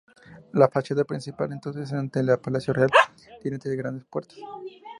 La fachada principal, entonces ante el Palacio Real, tiene tres grandes puertas.